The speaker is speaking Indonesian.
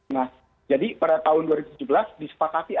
nah jadi pada tahun dua ribu tujuh belas disepakati